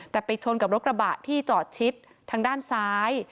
แต่ไปชนกับรถกระบะที่จอดชิดทางด้านซ้าย